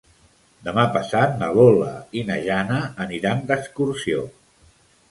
Demà passat na Lola i na Jana aniran d'excursió.